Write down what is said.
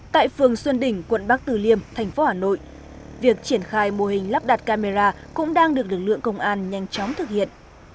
tại phường xuân đỉnh quận bắc từ liêm thành phố hà nội việc triển khai mô hình lắp đặt camera cũng đang được lực lượng công an nhanh chóng thực hiện